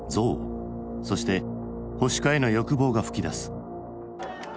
そして保守化への欲望が噴き出す。